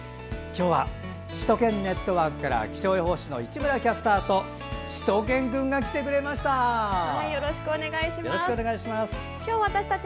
今日は「首都圏ネットワーク」から気象予報士の市村キャスターとしゅと犬くんが来てくれました。